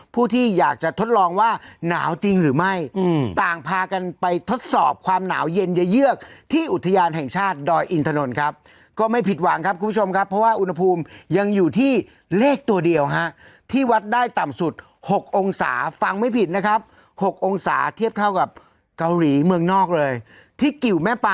ผู้ที่อยากจะทดลองว่าหนาวจริงหรือไม่ต่างพากันไปทดสอบความหนาวเย็นเยอะเยือกที่อุทยานแห่งชาติดอยอินถนนครับก็ไม่ผิดหวังครับคุณผู้ชมครับเพราะว่าอุณหภูมิยังอยู่ที่เลขตัวเดียวฮะที่วัดได้ต่ำสุด๖องศาฟังไม่ผิดนะครับ๖องศาเทียบเท่ากับเกาหลีเมืองนอกเลยที่กิวแม่ป